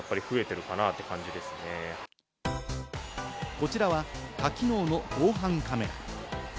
こちらは多機能の防犯カメラ。